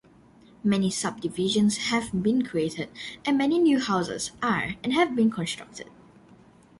Many subdivisions have been created and many new houses are and have been constructed.